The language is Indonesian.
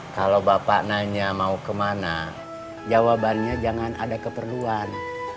kalau bapak nanya mau kemana jawabannya jangan ada keperluan